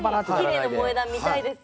きれいな萌え断見たいです。